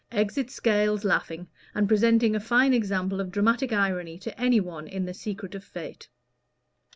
Exit Scales, laughing, and presenting a fine example of dramatic irony to any one in the secret of Fate.